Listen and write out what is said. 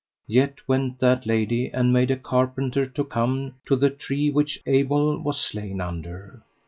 Yet went that lady and made a carpenter to come to the tree which Abel was slain under.